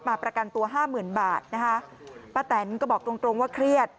มาประกันตัว๕๐๐๐๐บาทนะฮะป้าแตนก็บอกตรงว่าเครียด